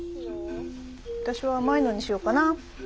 私は甘いのにしようかな。